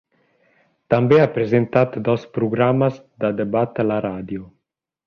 També ha presentat dos programes de debat a la ràdio.